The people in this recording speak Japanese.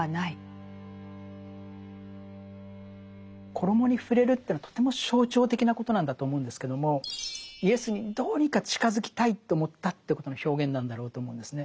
衣に触れるというのはとても象徴的なことなんだと思うんですけどもイエスにどうにか近づきたいと思ったということの表現なんだろうと思うんですね。